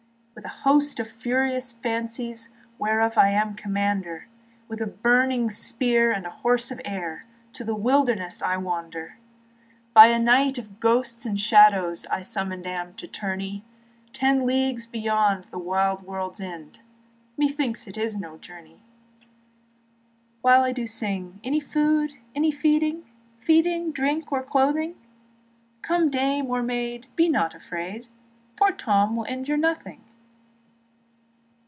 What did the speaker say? With a host of furious fancies Whereof I am commander, With a burning spear and a horse of air, To the wilderness I wander. By a knight of ghosts and shadows I summoned am to tourney Ten leagues beyond the wide world's end: Methinks it is no journey. Yet will I sing, Any food, any feeding, Feeding, drink, or clothing; Come dame or maid, be not afraid, Poor Tom will injure nothing.